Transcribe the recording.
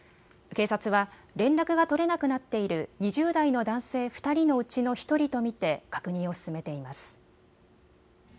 警察は連絡が取れなくなっている２０代の男性２人のうちの１人と見て確認を進めています。